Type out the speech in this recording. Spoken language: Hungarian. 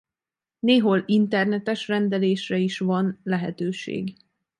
Néhol internetes rendelésre is van lehetőség.